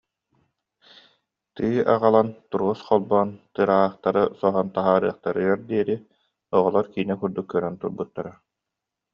Тыы аҕалан, трос холбоон тыраахтары соһон таһаарыахтарыгар диэри оҕолор киинэ курдук көрөн турбуттара